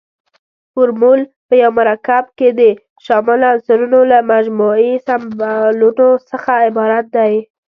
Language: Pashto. فورمول په یو مرکب کې د شاملو عنصرونو له مجموعي سمبولونو څخه عبارت دی.